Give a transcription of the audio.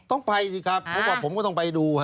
ต้องไปสิครับเพราะว่าผมก็ต้องไปดู